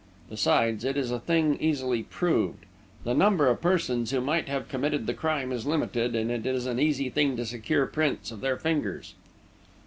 Besides, it is a thing easily proved the number of persons who might have committed the crime is limited, and it is an easy thing to secure prints of their fingers."